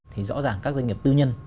thì rõ ràng các doanh nghiệp tư nhân